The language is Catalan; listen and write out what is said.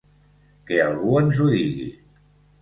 Que algú ens ho digui.